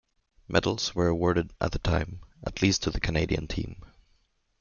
Medals were awarded at the time, at least to the Canadian team.